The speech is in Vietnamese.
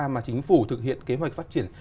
mà chính phủ thực hiện kế hoạch phát triển